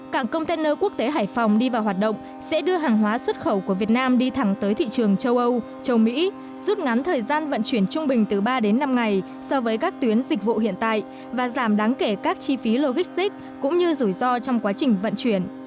cảng container quốc tế hải phòng đi vào hoạt động sẽ đưa hàng hóa xuất khẩu của việt nam đi thẳng tới thị trường châu âu châu mỹ rút ngắn thời gian vận chuyển trung bình từ ba đến năm ngày so với các tuyến dịch vụ hiện tại và giảm đáng kể các chi phí logistic cũng như rủi ro trong quá trình vận chuyển